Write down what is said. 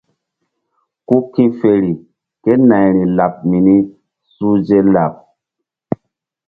Ku ki̧feri kénayri laɓ mini suhze laɓ.